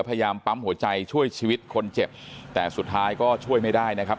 พยายามปั๊มหัวใจช่วยชีวิตคนเจ็บแต่สุดท้ายก็ช่วยไม่ได้นะครับ